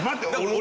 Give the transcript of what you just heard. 俺。